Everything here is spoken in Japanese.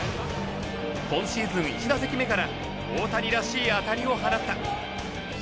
今シーズン１打席目から大谷らしい当たりを放った。